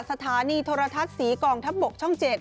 สถานีโทรทัศน์ศรีกองทัพบกช่อง๗